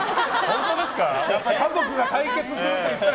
家族が対決するといったら。